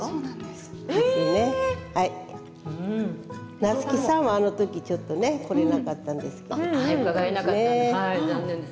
夏木さんはあのときちょっと来られなかったんです伺えなかったんです。